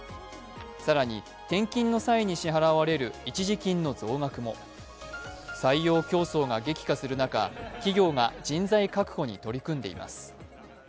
更に転勤の際に支払われる一時金の増額も採用競争が激化する中、企業が人材確保に取り組んでいます。